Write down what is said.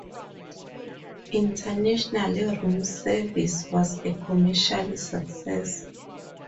Internationally, "Room Service" was a commercial success.